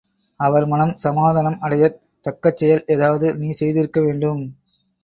அவர் மனம் சமாதானம் அடையத் தக்கசெயல் ஏதாவது நீ செய்திருக்க வேண்டும்.